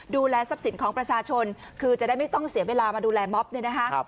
ดูแลทรัพย์สินของประชาชนคือจะได้ไม่ต้องเสียเวลามาดูแลม็อบเนี่ยนะคะ